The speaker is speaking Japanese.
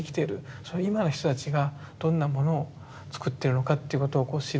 それ今の人たちがどんなものをつくってるのかっていうことを知ると。